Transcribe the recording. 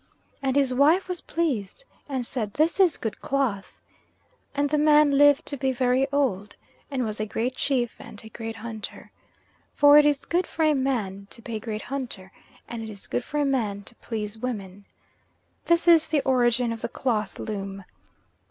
And his wife was pleased and said "This is good cloth." And the man lived to be very old and was a great chief and a great hunter. For it is good for a man to be a great hunter, and it is good for a man to please women. This is the origin of the cloth loom.